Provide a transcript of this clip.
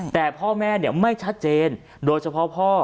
แต่พ่อแม่ไม่ชัดเจนโดยเฉพาะพ่อ